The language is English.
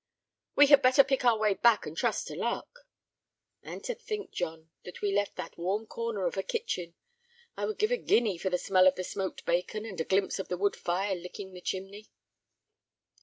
"We had better pick our way back and trust to luck." "And to think, John, that we left that warm corner of a kitchen! I would give a guinea for the smell of the smoked bacon, and a glimpse of the wood fire licking the chimney."